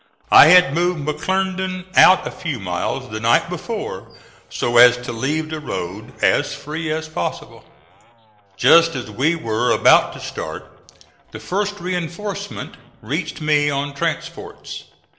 I had moved McClernand out a few miles the night before so as to leave the road as free as possible. Just as we were about to start the first reinforcement reached me on transports.